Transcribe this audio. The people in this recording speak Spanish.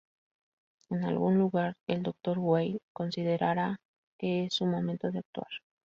En algún lugar, el Dr Weil considerará que es su momento de actuar.